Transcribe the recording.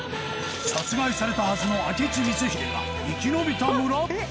殺害されたはずの明智光秀が生き延びた村？